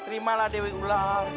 terimalah dewi ular